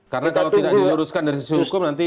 karena kalau tidak diluruskan dari sisi hukum nanti